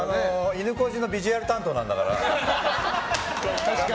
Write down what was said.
いぬこじのビジュアル担当なんだから。